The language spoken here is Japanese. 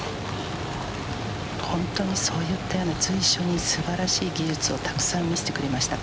本当にそういったような素晴らしい技術をたくさん見せてくれました